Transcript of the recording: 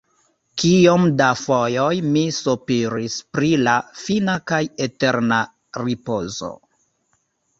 Kiom da fojoj mi sopiris pri la fina kaj eterna ripozo.